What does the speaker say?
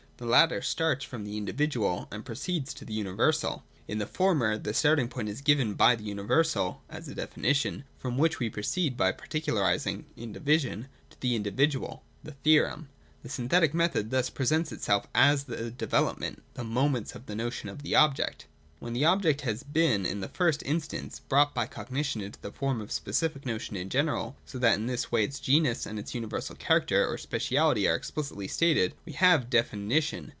The latter starts from the indi vidual, and proceeds to the universal ; in the former the starting point is given by the universal (as a definition), from which we proceed by particularising (in division) to the individual (the theorem). The Synthetic method thus presents itself as the development of the ' moments ' of the notion on the object. 229.] (a) When the object has been in the first in stance brought by cognition into the form of the specific notion in general, so that in this way its genus and its universal character or speciality are explicitly stated, we have the Definition.